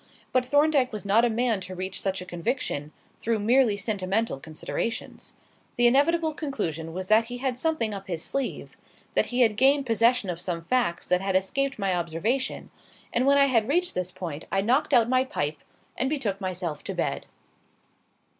But Thorndyke was not a man to reach such a conviction through merely sentimental considerations. The inevitable conclusion was that he had something up his sleeve that he had gained possession of some facts that had escaped my observation; and when I had reached this point I knocked out my pipe and betook myself to bed.